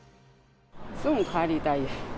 すぐ帰りたい。